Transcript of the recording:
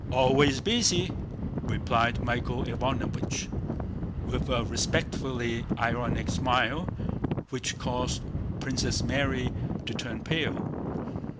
"Always busy," replied Michael Ivánovich with a respectfully ironic smile which caused Princess Mary to turn pale.